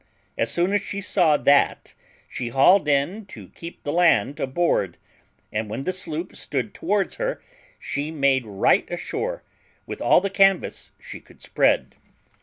As soon as she saw that, she hauled in to keep the land aboard, and when the sloop stood towards her she made right ashore, with all the canvas she could spread.